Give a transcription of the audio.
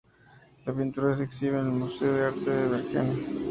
La pintura se exhibe en el museo de arte de Bergen.